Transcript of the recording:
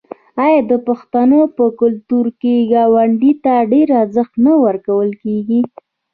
آیا د پښتنو په کلتور کې ګاونډي ته ډیر ارزښت نه ورکول کیږي؟